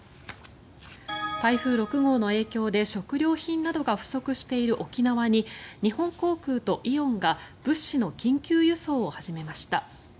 台風６号の影響で食料品などが不足している沖縄に日本航空とイオンが物資の緊急輸送を始めました。